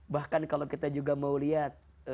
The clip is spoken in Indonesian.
bahkan kalau kita juga mau lihat